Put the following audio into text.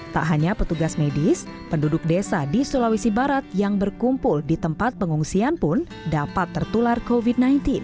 tak hanya petugas medis penduduk desa di sulawesi barat yang berkumpul di tempat pengungsian pun dapat tertular covid sembilan belas